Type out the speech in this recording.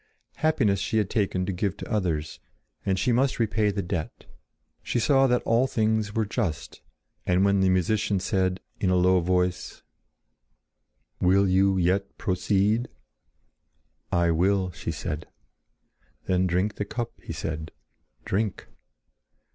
Happiness she had taken to give to others, and she must repay the debt. She saw that all things were just, and when the musician said in a low voice: "Will you yet proceed?" "I will!" she said. "Then drink the cup," he said, "Drink!"